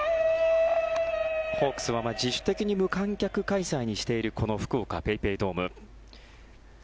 ホークスは自主的に無観客開催にしている福岡ＰａｙＰａｙドーム。